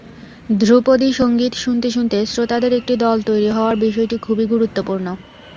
ধ্রুপদি সংগীত শুনতে শুনতে শ্রোতাদের একটি দল তৈরি হওয়ার বিষয়টি খুবই গুরুত্বপূর্ণ।